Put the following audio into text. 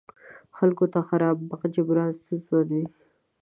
خلکو ته خراب بخت جبران ستونزمن وي.